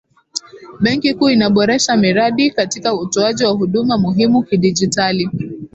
benki kuu inaboresha miradi katika utoaji wa huduma muhimu kidigitali